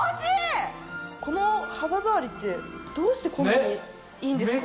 この肌触りってどうしてこんなにいいんですか？